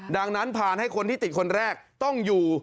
ดังนั้นผ่านให้คนที่ติดคนแรกต้องอยู่